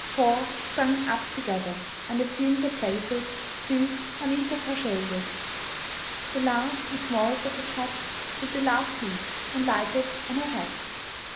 Four sprung up together, and assumed their places, two on each of her shoulders. The last and smallest of the cats took the last leap, and lighted on her head!